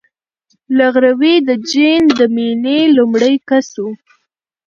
لفروی د جین د مینې لومړی کس و.